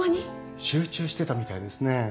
集中してたみたいですね。